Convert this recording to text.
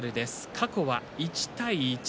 過去は１対１。